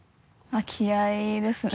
気合ですね。